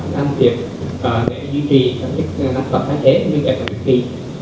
năng tiệp để duy trì chức năng thần phá thế như vậy